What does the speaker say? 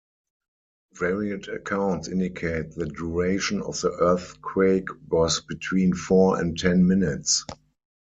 Varied accounts indicate the duration of the earthquake was between four and ten minutes.